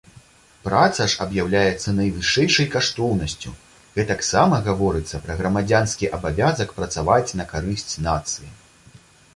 Праца ж аб'яўляецца найвышэйшай каштоўнасцю, гэтаксама гаворыцца пра грамадзянскі абавязак працаваць на карысць нацыі.